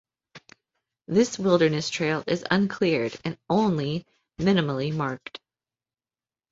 This wilderness trail is uncleared and only minimally marked.